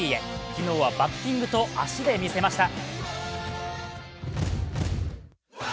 昨日はバッティングと足でみせました。